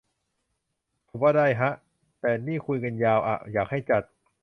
ผมว่า ได้ฮะ แต่ นี่คุยกันยาวอะ อยากให้จัด